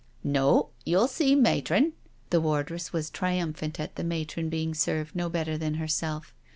"No, you'll see. Matron," the wardress was trium phant at the matron being served no better than herself.